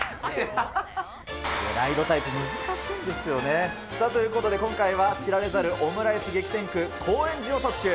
ライドタイプ、難しいんですよね。ということで今回は知られざるオムライス激戦区、高円寺を特集。